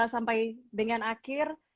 sampai dengan akhir